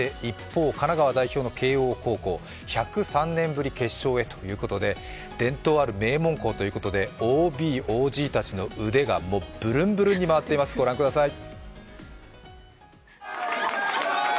神奈川県代表の慶応は１０３年ぶり決勝へということで伝統ある名門校ということで、ＯＢ、ＯＧたちの腕がブルンブルンに回っています、ご覧ください。